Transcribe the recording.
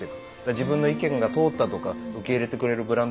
自分の意見が通ったとか受け入れてくれるブランドがあるんだ。